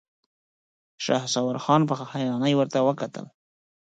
شهسوار خان په حيرانۍ ورته کتل.